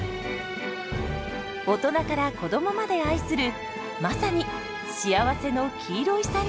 大人から子どもまで愛するまさに「幸せの黄色いサンドイッチ」です。